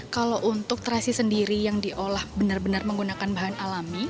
kalau untuk terasi sendiri yang diolah benar benar menggunakan bahan alami